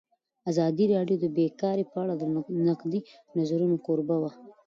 ازادي راډیو د بیکاري په اړه د نقدي نظرونو کوربه وه.